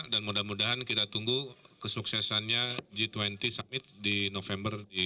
dan mudah mudahan kita tunggu kesuksesannya g dua puluh summit di november di bali